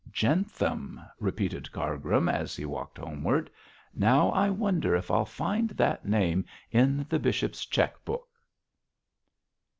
'Jentham!' repeated Cargrim, as he walked homeward. 'Now, I wonder if I'll find that name in the bishop's cheque book.'